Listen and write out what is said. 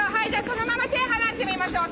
そのまま手離してみましょう。